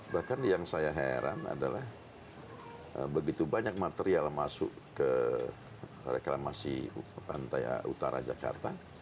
bahkan yang saya heran adalah begitu banyak material masuk ke reklamasi pantai utara jakarta